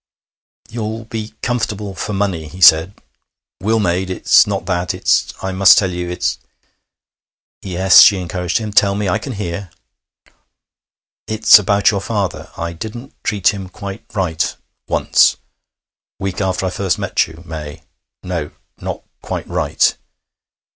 'You'll be comfortable for money,' he said. 'Will made.... It's not that. It's ... I must tell you. It's ' 'Yes?' she encouraged him. 'Tell me. I can hear.' 'It's about your father. I didn't treat him quite right ... once.... Week after I first met you, May.... No, not quite right.